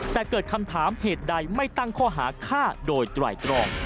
แต่เกิดคำถามเหตุใดไม่ตั้งข้อหาฆ่าโดยไตรตรอง